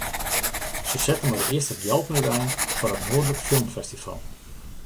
Se sette mei de earste gjalpen útein foar it Noardlik Film Festival.